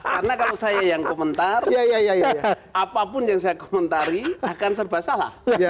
karena kalau saya yang komentar apapun yang saya komentari akan serba salah